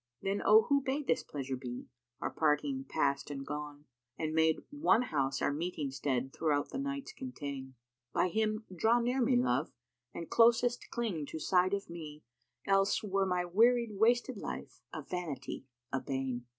Then O Who bade this pleasure be, our parting past and gone, * And made one house our meeting stead throughout the Nights contain; By him, draw near me, love, and closest cling to side of me * Else were my wearied wasted life, a vanity, a bane."